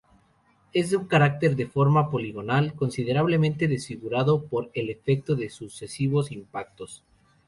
Es un cráter de forma poligonal, considerablemente desfigurado por el efecto de sucesivos impactos.